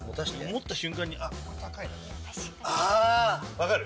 分かる？